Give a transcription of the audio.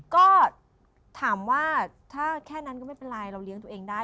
ก็ถามว่าถ้าแค่นั้นก็ไม่เป็นไรเราเลี้ยงตัวเองได้